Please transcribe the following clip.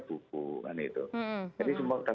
buku kan itu jadi semoga